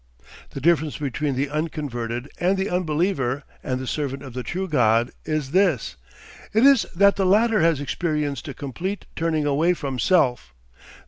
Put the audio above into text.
The difference between the unconverted and the unbeliever and the servant of the true God is this; it is that the latter has experienced a complete turning away from self.